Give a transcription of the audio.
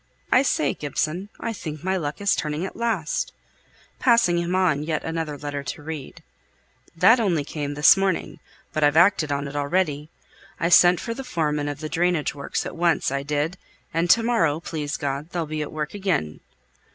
I say, Gibson, I think my luck is turning at last," passing him on yet another letter to read. "That only came this morning; but I've acted on it already, I sent for the foreman of the drainage works at once, I did; and to morrow, please God, they'll be at work again."